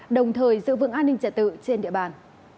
đồng thời giữ vững an ninh trật tự trên địa bàn